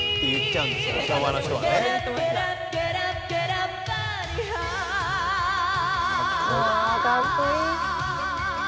うわかっこいい！